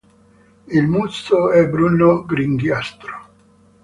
Il muso è bruno-grigiastro.